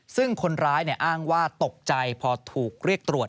ซึ่งคนร้ายอ้างว่าตกใจพอถูกเรียกตรวจ